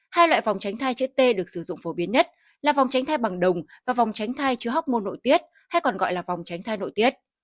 hai loại phòng tránh thai chữa t được sử dụng phổ biến nhất là vòng tránh thay bằng đồng và vòng tránh thai chứa hóc môn nội tiết hay còn gọi là vòng tránh thai nội tiết